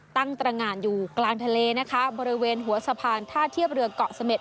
ตั้งตรงานอยู่กลางทะเลนะคะบริเวณหัวสะพานท่าเทียบเรือเกาะเสม็ด